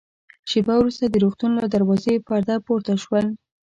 شېبه وروسته د روغتون له دروازې پرده پورته شول.